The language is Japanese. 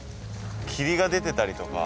霧が出てたりとか。